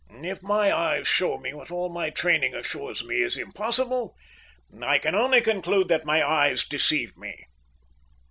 "If my eyes show me what all my training assures me is impossible, I can only conclude that my eyes deceive me."